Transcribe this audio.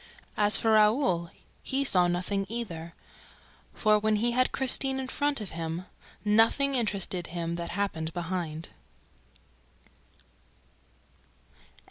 As for Raoul, he saw nothing either; for, when he had Christine in front of him, nothing interested him that happened behind.